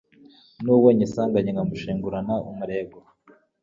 N' uwo nyisanganye nkamushengurana umurego